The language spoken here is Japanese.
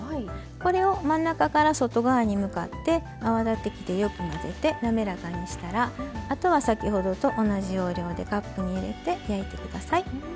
これを真ん中から外側に向かって泡立て器でよく混ぜてなめらかにしたらあとは先ほどと同じ要領でカップに入れて、焼いてください。